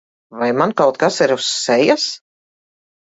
Vai man kaut kas ir uz sejas?